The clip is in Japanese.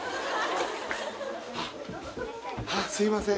あっすいません